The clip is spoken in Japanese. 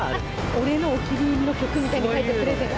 俺のお気に入りの曲なんて書いてプレゼント。